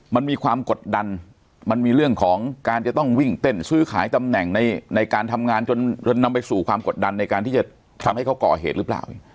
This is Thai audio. มันมีความกดดันมันมีเรื่องของการจะต้องวิ่งเต้นซื้อขายตำแหน่งในการทำงานจนนำไปสู่ความกดดันในการที่จะทำให้เขาก่อเหตุหรือเปล่า